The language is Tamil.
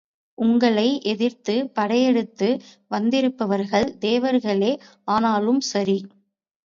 உங்களை எதிர்த்துப் படையெடுத்து வந்திருப்பவர்கள் தேவர்களே ஆனாலும் சரி!